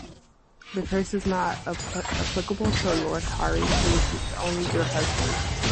This curse is not applicable to Lord Hari, who is your only husband.